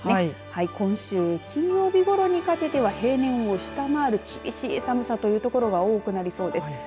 今週の金曜日ごろにかけては平年を下回る厳しい寒さという所が多くなりそうです。